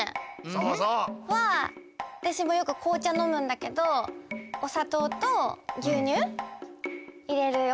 そうそう。はわたしもよくこうちゃのむんだけどおさとうとぎゅうにゅう入れるよ。